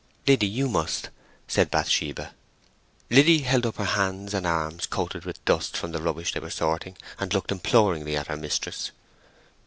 "Liddy—you must," said Bathsheba. Liddy held up her hands and arms, coated with dust from the rubbish they were sorting, and looked imploringly at her mistress.